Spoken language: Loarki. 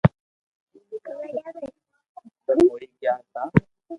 ختم ھوئي گيا تا